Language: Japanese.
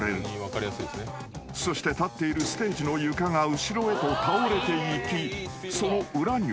［そして立っているステージの床が後ろへと倒れていきその裏には］